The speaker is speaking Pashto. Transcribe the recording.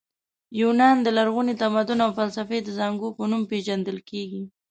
یونان د لرغوني تمدن او فلسفې د زانګو په نوم پېژندل کیږي.